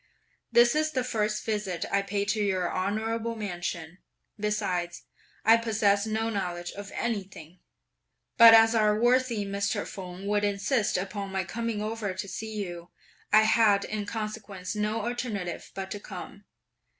This is the first visit I pay to your honourable mansion; besides, I possess no knowledge of anything; but as our worthy Mr. Feng would insist upon my coming over to see you, I had in consequence no alternative but to come.